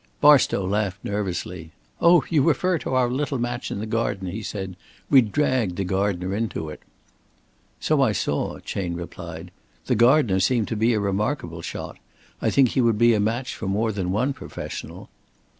Barstow laughed nervously. "Oh, you refer to our little match in the garden," he said. "We dragged the gardener into it." "So I saw," Chayne replied. "The gardener seemed to be a remarkable shot. I think he would be a match for more than one professional."